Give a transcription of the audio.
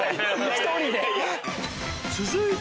１人で。